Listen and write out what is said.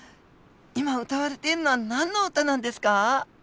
今歌われているのは何の歌なんですか？